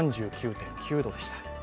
３９．９度でした。